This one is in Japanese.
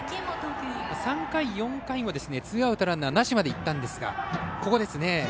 ３回、４回はツーアウトランナーなしまでいったんですが、ここですね。